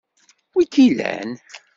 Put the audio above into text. Wi i k-ilan?